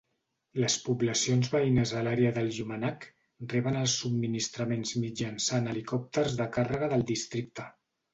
Les poblacions veïnes a l'àrea de Uummannaq reben els subministraments mitjançant helicòpters de càrrega del districte.